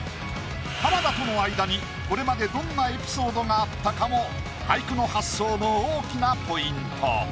浜田との間にこれまでどんなエピソードがあったかも俳句の発想の大きなポイント。